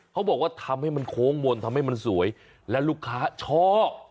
เขาบอกว่าทำให้มันโค้งมนต์ทำให้มันสวยและลูกค้าชอบ